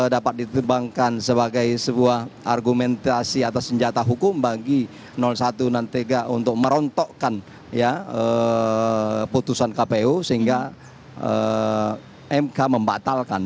dapat diterbangkan sebagai sebuah argumentasi atas senjata hukum bagi satu dan tiga untuk merontokkan putusan kpu sehingga mk membatalkan